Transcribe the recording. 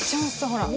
ほら。